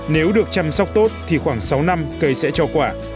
nếu được chăm sóc tốt thì khoảng sáu năm cây sẽ cho quả